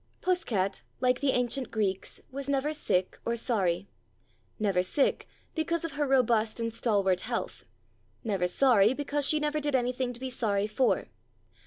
Puss cat, like the ancient Greeks, was never sick or sorry : never sick, because of her robust and stal wart health ; never sorry, because she never did anything to be sorry for.